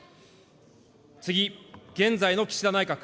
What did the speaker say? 次、現在の岸田内閣。